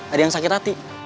ada yang sakit hati